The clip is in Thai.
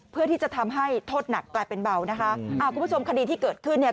เพื่อที่จะทำให้โทษหนักกลายเป็นเบานะคะอ่าคุณผู้ชมคดีที่เกิดขึ้นเนี่ย